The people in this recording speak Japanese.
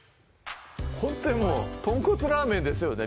ほんとにとんこつラーメンですよね